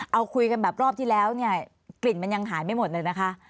เอาคุยกันแบบรอบที่แล้วเนี่ยกลิ่นมันยังหายไม่หมดเลยนะคะ